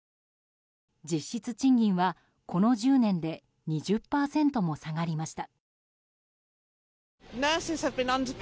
実質賃金は、この１０年で２０％も下がりました。